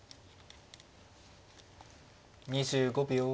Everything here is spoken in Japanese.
２５秒。